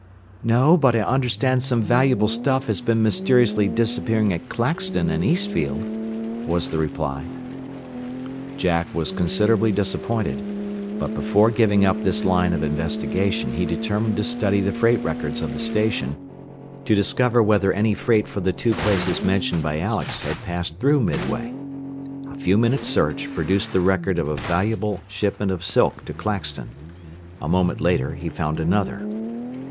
"No, but I understand some valuable stuff has been mysteriously disappearing at Claxton and Eastfield," was the reply. Jack was considerably disappointed; but before giving up this line of investigation he determined to study the freight records of the station, to discover whether any freight for the two places mentioned by Alex had passed through Midway. A few minutes' search produced the record of a valuable shipment of silk to Claxton. A moment later he found another.